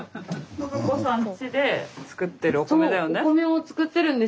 信子さんちで作ってるお米だよね。